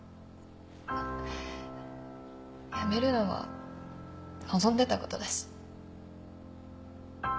辞めるのは望んでたことだし。